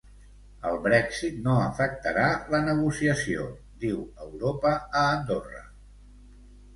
"El Brèxit no afectarà la negociació", diu Europa a Andorra.